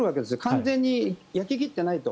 完全に焼き切ってないと。